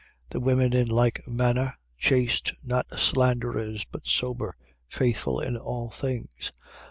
3:11. The women in like manner: chaste, not slanderers, but sober, faithful in all things.